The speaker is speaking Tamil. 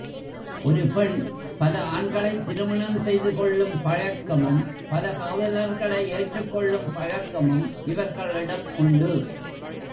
ஒருபெண் பல ஆண்களைத் திருமணம் செய்து, கொள்ளும் பழக்க மும், பல காதலர்களை ஏற்றுக்கொள்ளும் பழக்கமும் இவர்களிடம் உண்டு.